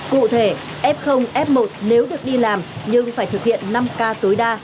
cụ thể f f một nếu được đi làm nhưng phải thực hiện năm k tối đa